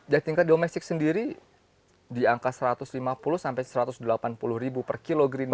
jadil tingkat domestik sendiri di angka satu ratus lima puluh satu ratus delapan puluh ribu per kilo green bean